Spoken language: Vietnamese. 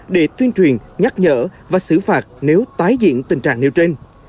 để tuyên truyền nhắc nhở và xử phạt nếu tái diễn tình trạng nêu trên